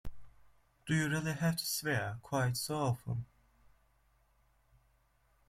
Do you really have to swear quite so often?